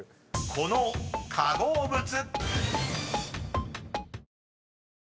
［この化合物］